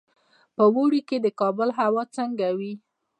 په اوړي کې د کابل هوا څنګه وي؟